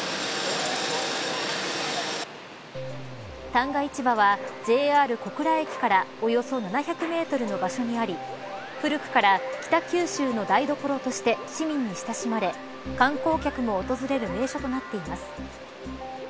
旦過市場はＪＲ小倉駅からおよそ７００メートルの場所にあり古くから北九州の台所として市民に親しまれ観光客も訪れる名所となっています。